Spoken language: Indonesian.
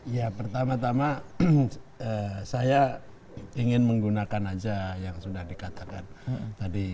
ya pertama tama saya ingin menggunakan aja yang sudah dikatakan tadi